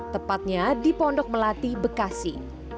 tepatnya di pondok melati bekasi